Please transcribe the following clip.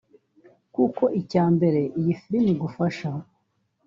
kuko icya mbere iyi filimi igufasha